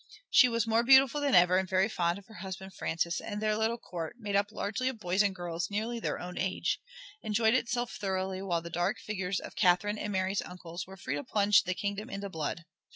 She was more beautiful than ever, and very fond of her husband Francis, and their little court, made up largely of boys and girls nearly their own age, enjoyed itself thoroughly while the dark figures of Catherine and Mary's uncles were free to plunge the kingdom into blood.